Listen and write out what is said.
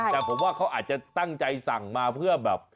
แต่ผมว่าเขาอาจจะตั้งใจสั่งมาเพื่อแบบ